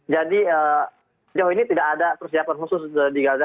jadi jauh ini tidak ada persiapan khusus di gaza